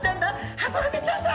ハコフグちゃんだ！